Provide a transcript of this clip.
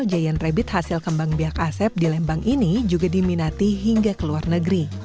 giant rabit hasil kembang biak asep di lembang ini juga diminati hingga ke luar negeri